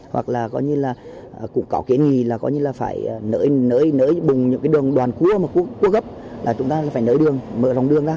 hoặc là cũng có kế nghị là phải nới bùng những đoàn cua gấp chúng ta phải nới đường mở rộng đường ra